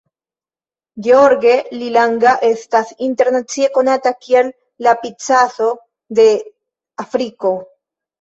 George Lilanga estas internacie konata kiel "la Picasso de Afriko".